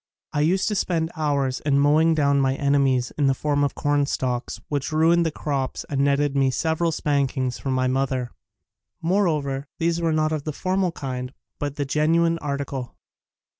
I used to spend hovirs in mowing down my enemies in the form of corn stalks which ruined the crops and netted me several spankings from my mother. Moreover these were not of the formal kind but the genuine article.